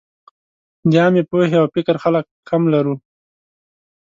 د عامې پوهې او فکر خلک کم لرو.